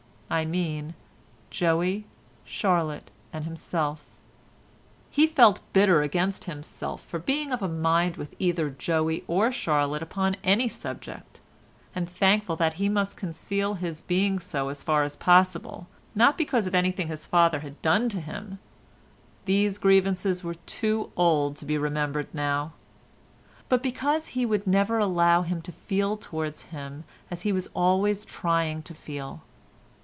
I mean Joey, Charlotte, and himself. He felt bitter against himself for being of a mind with either Joey or Charlotte upon any subject, and thankful that he must conceal his being so as far as possible, not because of anything his father had done to him—these grievances were too old to be remembered now—but because he would never allow him to feel towards him as he was always trying to feel.